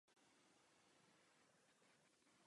Mám pro vás mimořádnou informaci.